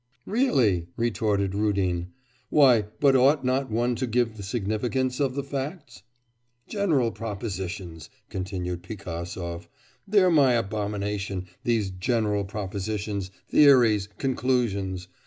'Really!' retorted Rudin, 'why, but ought not one to give the significance of the facts?' 'General propositions,' continued Pigasov, 'they're my abomination, these general propositions, theories, conclusions.